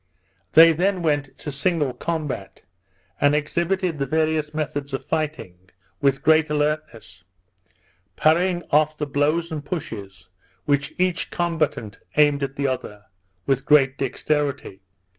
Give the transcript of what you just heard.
They then went to single combat, and exhibited the various methods of fighting, with great alertness; parrying off the blows and pushes which each combatant aimed at the other, with great dexterity.